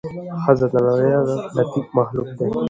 ښځه د نړۍ لطيف مخلوق دې